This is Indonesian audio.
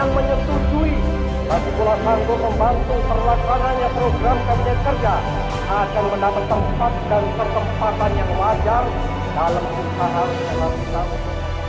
agar mendapat tempat dan tempatan yang wajar dalam usaha jalan tidak vegetaris